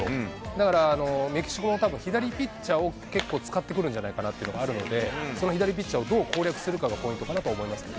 だから、メキシコもたぶん左ピッチャーを結構使ってくるんじゃないかなっていうのがあるので、その左ピッチャーをどう攻略するかがポイン